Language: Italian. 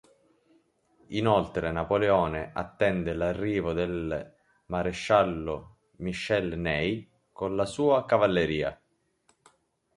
Inoltre Napoleone attende l'arrivo del maresciallo Michel Ney, con la sua cavalleria.